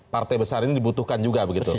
partai besar ini dibutuhkan juga begitu